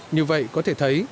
như vậy có thể thấy